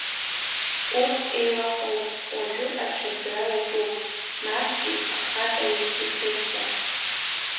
Урҭ еилахоуп, уажәы ачаӡра иаҿуп, насгьы, ахаҵа иахь ицәырҵуам!